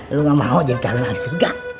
lu gak mau jadi calon ahli surga